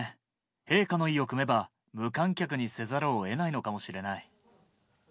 陛下の意を酌めば、無観客にせざるをえないのかもしれない。